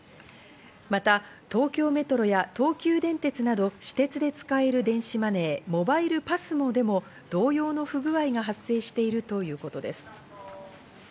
また東京メトロや東急電鉄など私鉄で使える電子マネー、モバイルＰＡＳＭＯでも同様の不具合が発生しているということです。